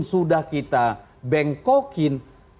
sudah kita bengkokin